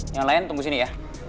yang lain tunggu sini ya